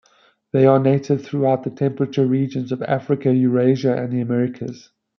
They are native throughout the temperate regions of Africa, Eurasia, and the Americas.